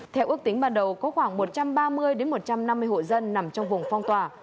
theo ước tính ban đầu có khoảng một trăm ba mươi một trăm năm mươi hộ dân nằm trong vùng phong tỏa